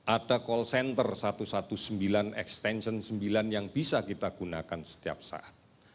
ada call center satu ratus sembilan belas extension sembilan yang bisa kita gunakan setiap saat